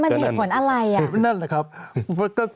มันเหตุผลอะไร